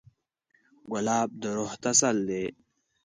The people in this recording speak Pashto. ګلاب د روح تسل دی.